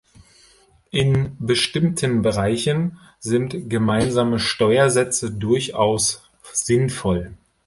In bestimmten Bereichen sind gemeinsame Steuersätze durchaus sinnvoll.